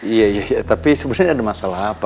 iya iya iya tapi sebenernya ini ada masalah apa